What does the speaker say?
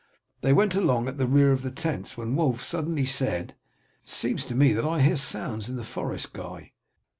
They went along at the rear of the tents, when Wulf suddenly said: "It seems to me that I hear sounds in the forest, Guy."